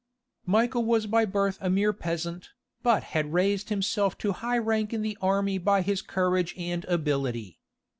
Michael was by birth a mere peasant, but had raised himself to high rank in the army by his courage and ability.